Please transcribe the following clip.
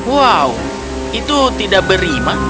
wow itu tidak berima